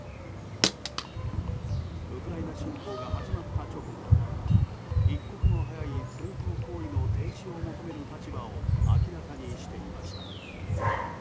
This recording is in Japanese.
ウクライナ侵攻が始まった直後に一刻も早い戦闘行為の停止を求める立場を明らかにしていました。